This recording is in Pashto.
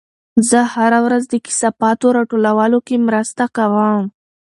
زه هره ورځ د کثافاتو راټولولو کې مرسته کوم.